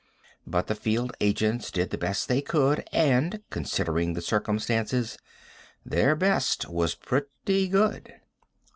But the field agents did the best they could and, considering the circumstances, their best was pretty good.